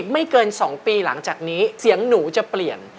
ไม่เกิน๒ปีหลังจากนี้เสียงหนูจะเปลี่ยน